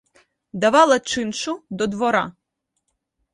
Давала чиншу до двора: